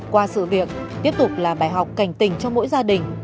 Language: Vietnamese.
qua sự việc tiếp tục là bài học cảnh tình cho mỗi gia đình